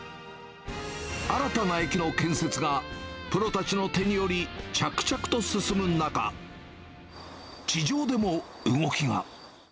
新たな駅の建設が、プロたちの手により着々と進む中、地上でも動きが。